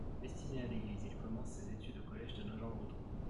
Destiné à l'Église, il commence ses études au collège de Nogent-Le-Rotrou.